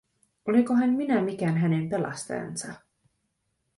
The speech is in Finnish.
Olinkohan minä mikään hänen pelastajansa?